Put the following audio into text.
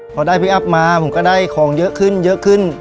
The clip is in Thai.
พอได้พี่อัพมาผมก็ได้ของเยอะขึ้นเยอะขึ้น